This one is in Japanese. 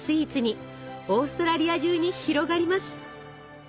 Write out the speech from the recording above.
オーストラリア中に広がります。